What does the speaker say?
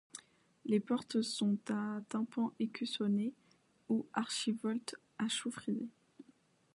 Les portes sont à tympan écussonné ou archivoltes à choux frisés.